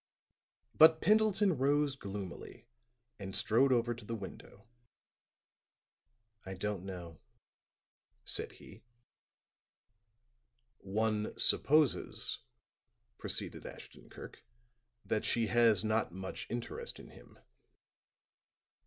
But Pendleton rose gloomily and strode over to the window. "I don't know," said he. "One supposes," proceeded Ashton Kirk, "that she has not much interest in him."